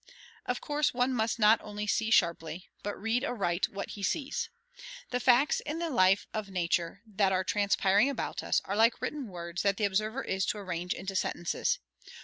Of course one must not only see sharply, but read aright what he sees. The facts in the life of Nature that are transpiring about us are like written words that the observer is to arrange into sentences.